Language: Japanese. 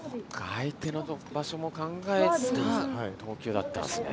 相手の場所も考えた投球だったんですね。